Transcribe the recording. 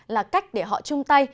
là cách để họ chung tay